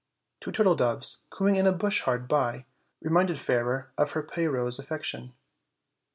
Two turtle doves, cooing in a bush hard by, reminded Fairer of her Pyrrho's affection.